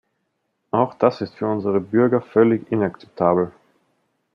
Auch das ist für unsere Bürger völlig inakzeptabel.